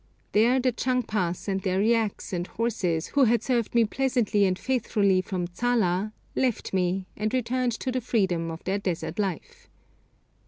There the Chang pas and their yaks and horses who had served me pleasantly and faithfully from Tsala left me, and returned to the freedom of their desert life.